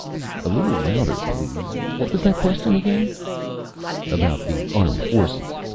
_) "A little louder, please. What was that question again?" "About the armed forces.